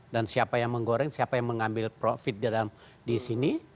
dan siapa yang menggoreng siapa yang mengambil profit di sini